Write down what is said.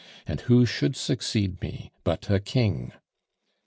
And who should succeed me but a king?